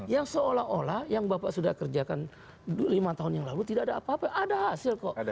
yang seolah olah yang bapak sudah kerjakan lima tahun yang lalu tidak ada apa apa ada hasil kok